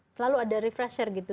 selalu ada refresher gitu